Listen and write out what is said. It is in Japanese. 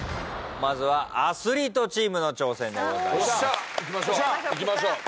まずはアスリートチームの挑戦でございます。